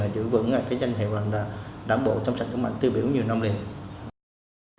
giữ vững danh hiệu đảng bộ trong sạch chống mạnh tiêu biểu nhiều năm liền